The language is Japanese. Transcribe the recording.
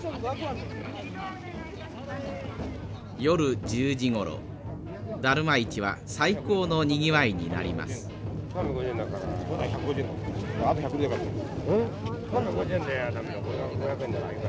夜１０時ごろだるま市は最高のにぎわいになります。